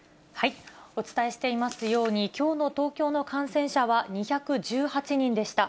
お伝えしていますように、きょうの東京の感染者は２１８人でした。